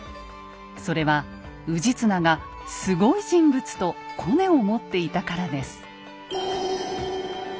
それは氏綱がスゴい人物とコネを持っていたからです。